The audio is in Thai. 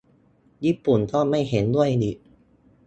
ญี่ปุ่นก็ไม่เห็นด้วยอีก